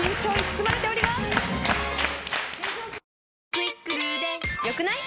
「『クイックル』で良くない？」